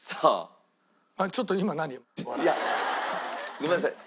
ごめんなさい。